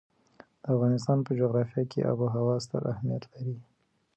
د افغانستان په جغرافیه کې آب وهوا ستر اهمیت لري.